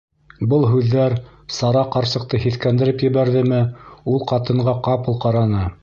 Был һүҙҙәр Сара ҡарсыҡты һиҫкәндереп ебәрҙеме, ул ҡатынға ҡапыл ҡараны.